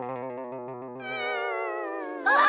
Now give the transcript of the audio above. あっ！